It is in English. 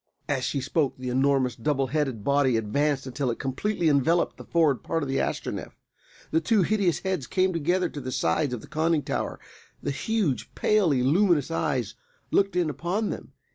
As she spoke the enormous, double headed body advanced until it completely enveloped the forward part of the Astronef. The two hideous heads came close to the sides of the conning tower; the huge, palely luminous eyes looked in upon them.